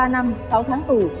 ba năm sáu tháng tù